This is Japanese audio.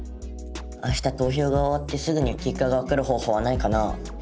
明日投票が終わってすぐに結果がわかる方法はないかな？